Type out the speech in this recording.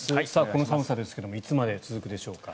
この寒さですがいつまで続くでしょうか。